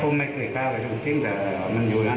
เขาไม่เคยกล้าไปทำขึ้นแต่ว่ามันอยู่นั่น